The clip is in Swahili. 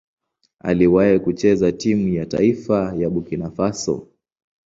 Aliwahi kucheza timu ya taifa ya Burkina Faso.